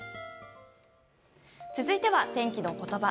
続いては天気のことば。